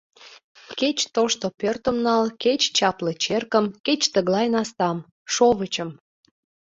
Кеч тошто пӧртым нал, кеч чапле черкым, кеч тыглай настам — шовычым.